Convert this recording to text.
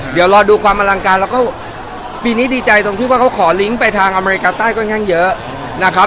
เดี๋ยวรอดูความอลังการแล้วก็ปีนี้ดีใจตรงที่ว่าเขาขอลิงก์ไปทางอเมริกาใต้ค่อนข้างเยอะนะครับ